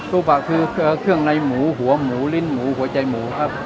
ปะคือเกลือเครื่องในหมูหัวหมูลิ้นหมูหัวใจหมูครับ